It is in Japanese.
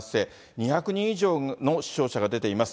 ２００人以上の死傷者が出ています。